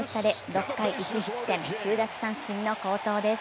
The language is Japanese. ６回１失点９奪三振の好投です。